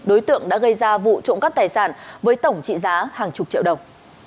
đối tượng đã gây ra vụ trộm cắp tài sản với tổng trị giá hàng chục triệu đồng